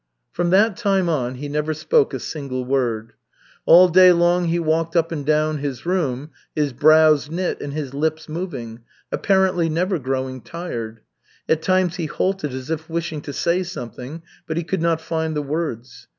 From that time on he never spoke a single word. All day long he walked up and down his room, his brows knit and his lips moving, apparently never growing tired. At times he halted as if wishing to say something, but he could not find the words.